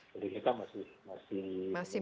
jadi kita masih